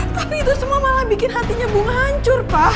tapi itu semua malah bikin hatinya bunga hancur pak